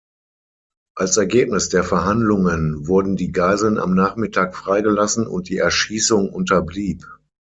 Als Ergebnis der Verhandlungen wurden die Geiseln am Nachmittag freigelassen und die Erschießung unterblieb.